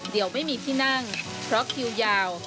เดี๋ยวไม่มีที่นั่งเพราะคิวยาว